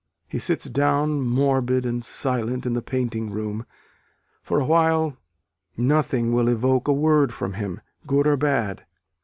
He sits down morbid and silent in the painting room: for a while nothing will evoke a word from him, good or bad.